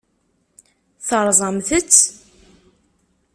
Terẓamt-tt?